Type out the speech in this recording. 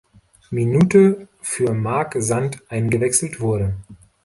Minute für Marc Sand eingewechselt wurde.